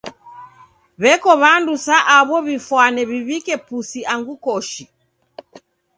W'eko w'andu sa aw'o w'ifwane w'iw'ike pusi angu koshi.